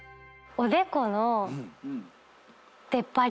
おでこの出っ張り？